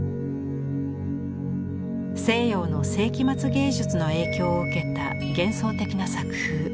西洋の世紀末芸術の影響を受けた幻想的な作風。